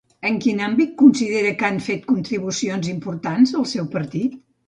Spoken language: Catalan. En quin àmbit considera que ha fet contribucions importants, el seu partit?